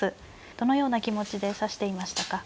どのような気持ちで指していましたか。